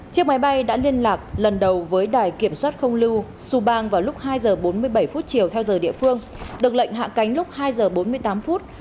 chiếc máy bay đã liên lạc lần đầu với đài kiểm soát không lưu su bang vào lúc hai giờ bốn mươi bảy phút chiều theo giờ địa phương được lệnh hạ cánh lúc hai giờ bốn mươi tám phút